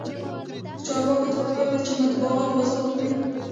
چارواکو ته پکار ده چې، مطبوعات ازاد کړي.